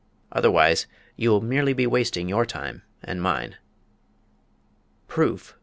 Otherwise you will merely be wasting your time and mine." "Proof!"